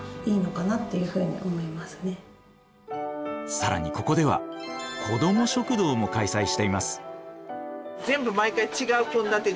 更にここでは子ども食堂も開催しています。